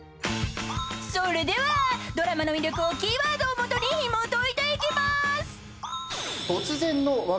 ［それではドラマの魅力をキーワードをもとにひもといていきます！］